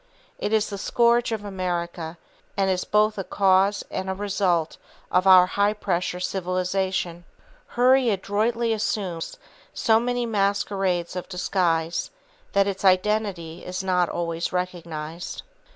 It is the scourge of America; and is both a cause and a result of our high pressure civilization. Hurry adroitly assumes so many masquerades of disguise that its identity is not always recognized.